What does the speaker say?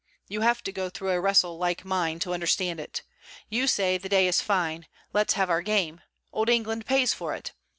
You have to go through a wrestle like mine to understand it. You say, the day is fine, let's have our game. Old England pays for it!